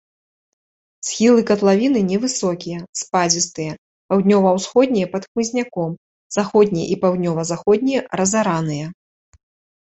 Схілы катлавіны невысокія, спадзістыя, паўднёва-ўсходнія пад хмызняком, заходнія і паўднёва-заходнія разараныя.